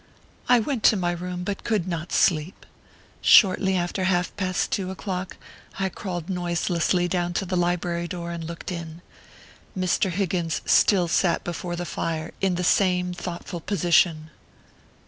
I went to my room, but could not sleep. Shortly after half past two o clock I crawled noiselessly down to the library door and looked in. Mr. Higgins still sat before the fire in the same thoughtful position.